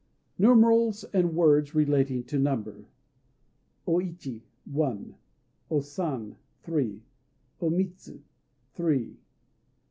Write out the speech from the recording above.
NUMERALS AND WORDS RELATING TO NUMBER O Ichi "One." O San "Three." O Mitsu "Three."